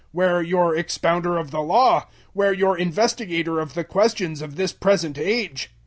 Where your expounder of the Law? Where your investigator of the questions of this present age?